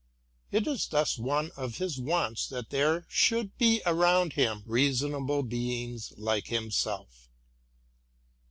It is thus one of his wants that there should be around him reasonable beings like himself.